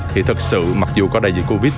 thì thật sự mặc dù có đại dịch covid